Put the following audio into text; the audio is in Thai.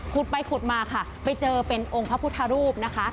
ขุดไปขุดมาค่ะไปเจอเป็นองค์พระพุทธรูปนะคะ